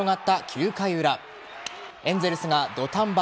９回裏エンゼルスが土壇場